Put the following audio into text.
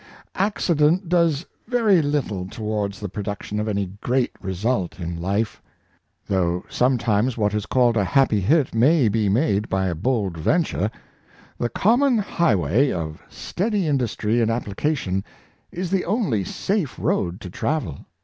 CCIDENT does very little towards the pro duction of any great result in life. Though sometimes what is called " a happy hit " may be made by a bold venture, the common high way of steady industry and application is the only safe road to travel.